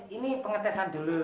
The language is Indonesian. ini pengetesan dulu